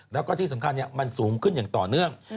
แล้วก็ที่สำคัญมันสูงขึ้นอย่างต่อเนื่อง